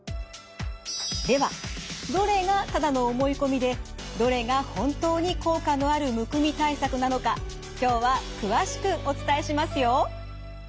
ではどれがただの思い込みでどれが本当に効果のあるむくみ対策なのか今日は詳しくお伝えしますよ。